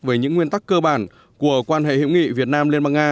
về những nguyên tắc cơ bản của quan hệ hiệu nghị việt nam liên bang nga